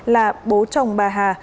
là bố chồng bà hà